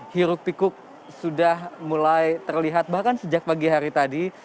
hiruk pikuk sudah mulai terlihat bahkan sejak pagi hari tadi